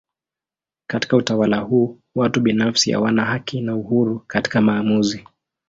Katika utawala huu watu binafsi hawana haki na uhuru katika maamuzi.